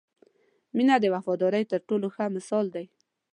• مینه د وفادارۍ تر ټولو ښه مثال دی.